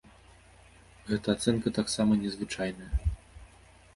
Гэта ацэнка таксама незвычайная.